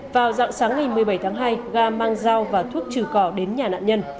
vào dạng sáng ngày một mươi bảy tháng hai ga mang dao và thuốc trừ cỏ đến nhà nạn nhân